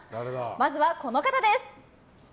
まずはこの方です。